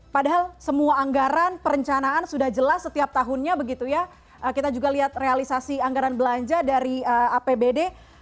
padahal semua anggaran perencanaan sudah jelas setiap tahunnya begitu ya kita juga lihat realisasi anggaran belanja dari apbd